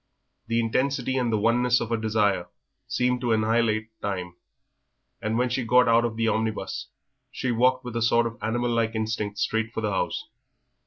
The intensity and the oneness of her desire seemed to annihilate time, and when she got out of the omnibus she walked with a sort of animal like instinct straight for the house.